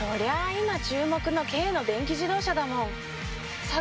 今注目の軽の電気自動車だもん。